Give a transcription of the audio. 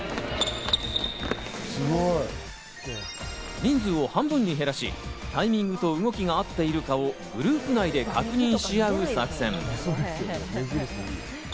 人数を半分に減らし、タイミングと動きが合っているかをグループ内で確認しあう作戦。